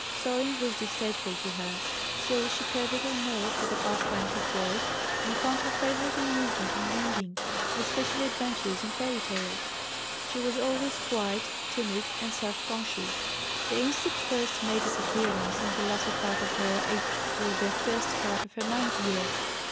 Sewing was distasteful to her. Still she cared little more for the pastimes of boys, and found her favorite amusement in reading, especially adventures and fairy tales. She was always quiet, timid, and self conscious. The instinct first made its appearance in the latter part of her eighth or the first part of her ninth year.